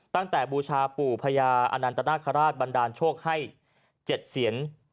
ตั้งแต่บูชาปู่พญาอาณาตนาคาราชบันดาลโชคให้๗เสียน